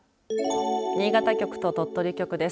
新潟局と鳥取局です。